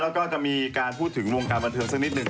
มีนะคะแล้วก็จะมีการพูดถึงวงการบรรเทียมสักนิดหนึ่ง